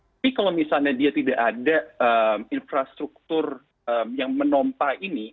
tapi kalau misalnya dia tidak ada infrastruktur yang menompa ini